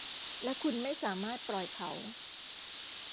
และคุณไม่สามารถปล่อยเขา